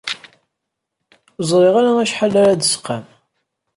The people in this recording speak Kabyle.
Ur ẓriɣ ara acḥal ara d-tesqam.